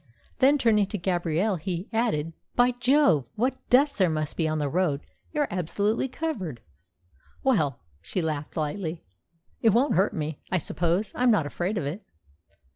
Then, turning to Gabrielle, he added, "By Jove! what dust there must be on the road! You're absolutely covered." "Well," she laughed lightly, "it won't hurt me, I suppose. I'm not afraid of it."